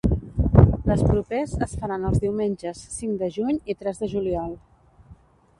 Les propers es faran els diumenges cinc de juny i tres de juliol.